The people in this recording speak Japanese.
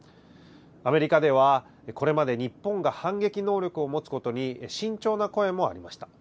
アメリカでは、これまで日本が反撃能力を持つことに慎重な声もありました。